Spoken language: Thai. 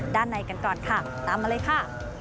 ด้านในกันก่อนค่ะตามมาเลยค่ะ